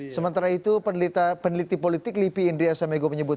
sementara itu peneliti politik lipi indri asam ego menyebut